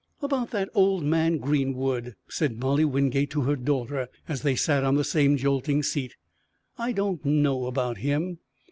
"About that old man Greenwood," said Molly Wingate to her daughter as they sat on the same jolting seat, "I don't know about him.